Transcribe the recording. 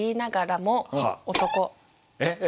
えっ？